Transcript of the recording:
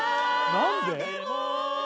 何で？